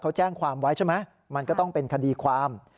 เขาแจ้งความไว้ใช่ไหมมันก็ต้องเป็นคดีความ